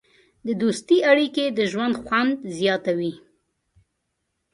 د دوستۍ اړیکې د ژوند خوند زیاتوي.